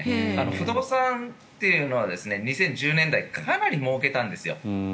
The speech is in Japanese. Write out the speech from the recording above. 不動産というのは２０１０年代かなりもうけたんですよ。